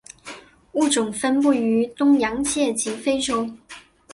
物种分布于东洋界及非洲。